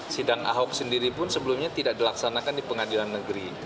sidang ahok sendiri pun sebelumnya tidak dilaksanakan di pengadilan negeri